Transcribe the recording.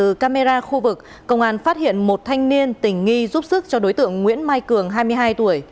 từ camera khu vực công an phát hiện một thanh niên tình nghi giúp sức cho đối tượng nguyễn mai cường hai mươi hai tuổi